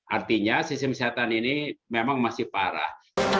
artinya sistem kesehatan ini memang masih parah